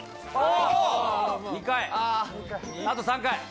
２回。